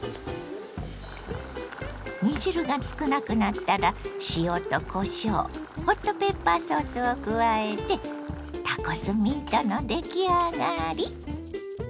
煮汁が少なくなったら塩とこしょうホットペッパーソースを加えてタコスミートの出来上がり。